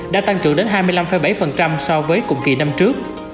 đã tăng trưởng đến hai mươi năm bảy so với cùng kỳ năm trước